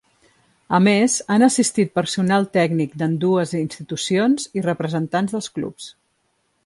A més, han assistit personal tècnic d’ambdues institucions i representants dels clubs.